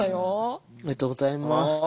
ありがとうございます。